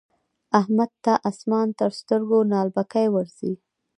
احمد ته اسمان تر سترګو نعلبکی ورځي.